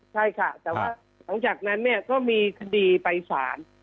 ใช่ค่ะแต่ว่าหลังจากนั้นเนี่ยก็มีคดีไปสาร